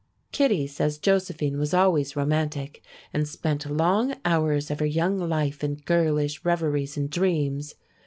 Kittie says Josephine was always romantic and spent long hours of her young life in girlish reveries and dreams.